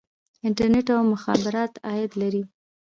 انټرنیټ او مخابرات عاید لري